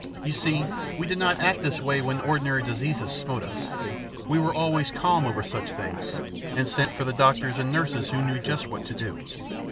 You see, we did not act in this way when ordinary diseases smote us. We were always calm over such things, and sent for the doctors and nurses who knew just what to do.